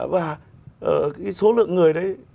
và cái số lượng người đấy